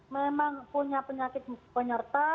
memang punya penyakit penyerta